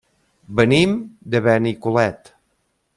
Venim de Benicolet.